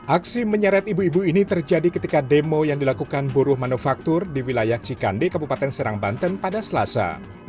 aksi menyeret ibu ibu ini terjadi ketika demo yang dilakukan buruh manufaktur di wilayah cikande kabupaten serang banten pada selasa